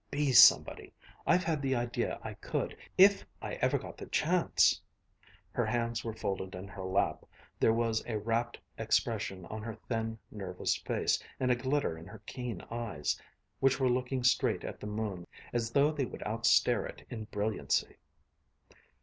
Be somebody. I've had the idea I could, if I ever got the chance." Her hands were folded in her lap; there was a wrapt expression on her thin, nervous face, and a glitter in her keen eyes, which were looking straight at the moon, as though they would outstare it in brilliancy.